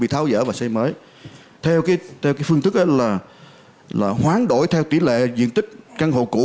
bị tháo dở và xây mới theo cái phương thức đó là hoán đổi theo tỷ lệ diện tích căn hộ cũ